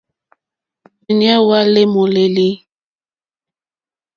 Òrzìɲɛ́ hwá lê môlélí.